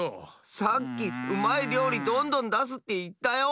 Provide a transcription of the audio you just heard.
さっき「うまいりょうりどんどんだす」っていったよ。